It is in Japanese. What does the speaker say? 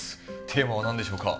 テーマは何でしょうか？